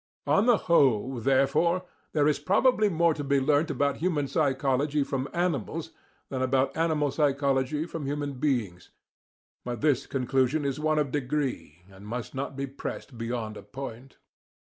On the whole, therefore, there is probably more to be learnt about human psychology from animals than about animal psychology from human beings; but this conclusion is one of degree, and must not be pressed beyond a point.